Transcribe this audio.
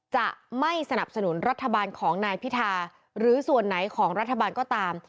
จะไม่สนับสนุนรัฐบาลของนายพิธาหรือส่วนไหนของรัฐบาลก็ตาม